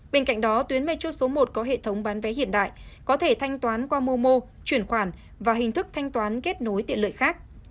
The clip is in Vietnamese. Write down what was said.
bên cạnh đó tuyến metro số một có hệ thống bán vé hiện đại có thể thanh toán qua momo chuyển khoản và hình thức thanh toán kết nối tiện lợi khác